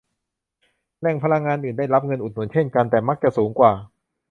แหล่งพลังงานอื่นได้รับเงินอุดหนุนเช่นกัน แต่มักจะสูงกว่า